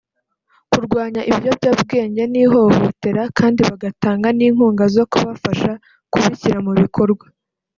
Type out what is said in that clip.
kurwanya ibiyobyabwenge n’ihohotera kandi bagatanga n’inkunga zo kubafasha kubishyira mu bikorwa